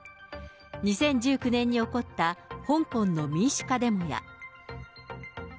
２０１９年に起こった香港の民主化デモや。